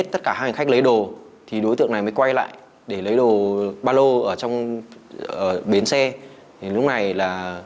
thì lúc này là